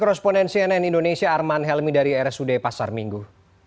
koresponen cnn indonesia arman helmi dari rsud pasar minggu